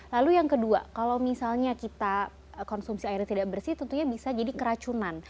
lalu yang kedua kalau misalnya kita konsumsi airnya tidak bersih tentunya bisa jadi keracunan